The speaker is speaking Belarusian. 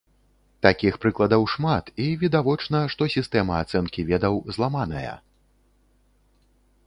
Такіх прыкладаў шмат, і відавочна, што сістэма ацэнкі ведаў зламаная.